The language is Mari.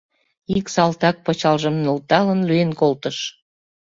Ик салтак, пычалжым нӧлталын, лӱен колтыш.